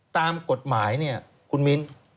ตามกฎหมายเนี่ยคุณมิ้น